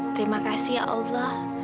terima kasih ya allah